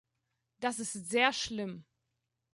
Das ist sehr schlimm!